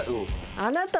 あなたは。